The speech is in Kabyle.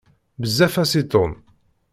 Bezzaf-as i Tom.